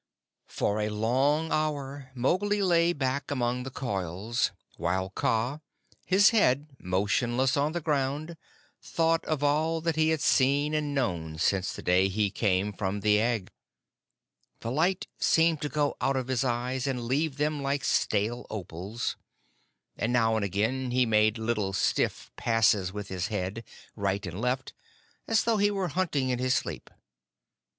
For a long hour Mowgli lay back among the coils, while Kaa, his head motionless on the ground, thought of all that he had seen and known since the day he came from the egg. The light seemed to go out of his eyes and leave them like stale opals, and now and again he made little stiff passes with his head, right and left, as though he were hunting in his sleep.